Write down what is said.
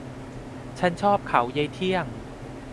ฉันชอบเขายายเที่ยง